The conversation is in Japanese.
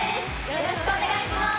よろしくお願いします。